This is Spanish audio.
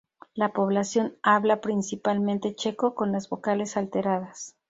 La población habla principalmente checo con las vocales alteradas.